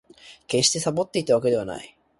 決してサボっていたわけではない